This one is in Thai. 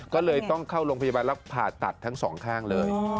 ก็เลยต้องเข้าโรงพยาบาลแล้วผ่าตัดทั้งสองข้างเลย